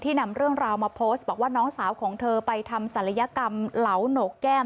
นำเรื่องราวมาโพสต์บอกว่าน้องสาวของเธอไปทำศัลยกรรมเหลาโหนกแก้ม